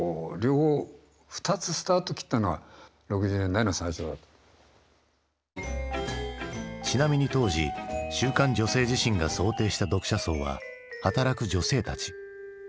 ただ何かやっぱその辺からちなみに当時週刊「女性自身」が想定した読者層は働く女性たち。